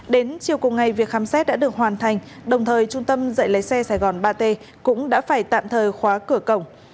đến chiều cùng ngày việc khám xét đã được hoàn thành đồng thời trung tâm dạy lấy xe sài gòn ba t cũng đã phải tạm thời khóa cửa cổng